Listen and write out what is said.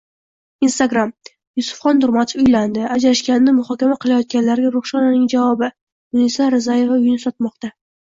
Instagram: Yusufxon Nurmatov uylandi, ajrashganini muhokama qilayotganlarga Ruxshonaning javobi, Munisa Rizayeva uyini sotmoqda